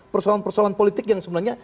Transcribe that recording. persoalan persoalan politik yang sebenarnya